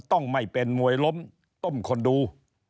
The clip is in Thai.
ต้องไม่เป็นมวยล้มต้มคนดู